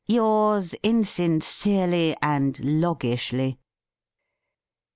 Yours insin cerely and loggishly ."